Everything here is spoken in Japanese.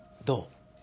どう？